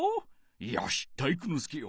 よし体育ノ介よ！